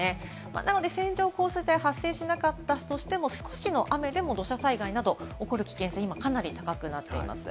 なので線状降水帯が発生しなかったとしても、少しの雨でも土砂災害などが起こる危険性がかなり高くなっています。